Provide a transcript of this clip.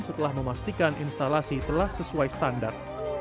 setelah memastikan instalasi telah sesuai standar